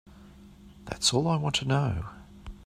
That's all I want to know.